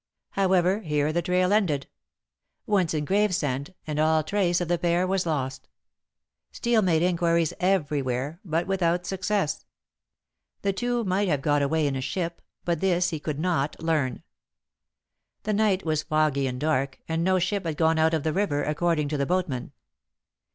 However, here the trail ended. Once in Gravesend, and all trace of the pair was lost. Steel made inquiries everywhere, but without success. The two might have got away in a ship, but this he could not learn. The night was foggy and dark, and no ship had gone out of the river, according to the boatmen.